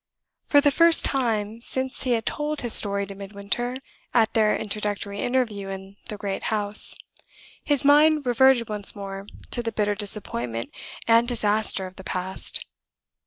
For the first time, since he had told his story to Midwinter, at their introductory interview in the great house, his mind reverted once more to the bitter disappointment and disaster of the past.